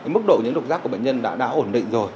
mức độ những lục rác của bệnh nhân đã ổn định rồi